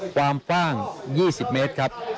ความกว้าง๒๐เมตรครับ